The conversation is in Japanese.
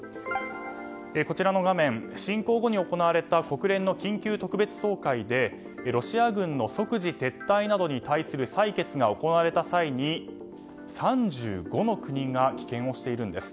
こちらの画面、侵攻後に行われた国連の緊急特別総会でロシア軍の即時撤退などに対する採決が行われた際に３５の国が棄権をしているんです。